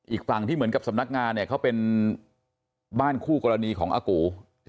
อีกฝั่งที่เหมือนกับสำนักงานเนี่ยเขาเป็นบ้านคู่กรณีของอากู